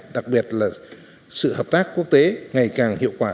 đặc biệt là sự hợp tác quốc tế ngày càng hiệu quả